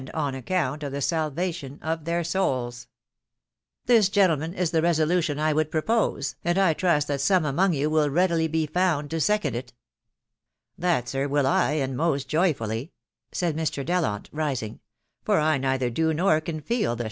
as account of the salvation of their soak ...... This, the resolution I would propose,, and I tcm&t that you will readily be found to second it." " That, sir,, will I, and mast joyfidly," said Mr.Ddkitf, rising; "for I neither do nor can feeL the.